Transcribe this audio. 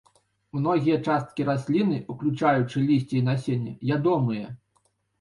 Многія часткі расліны, уключаючы лісце і насенне, ядомыя.